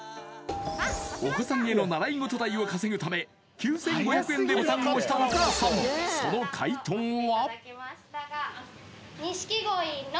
お子さんへの習い事代を稼ぐため９５００円でボタンを押したお母さんその解答は？